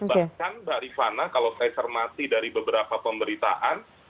bahkan mbak rifana kalau saya cermati dari beberapa pemberitaan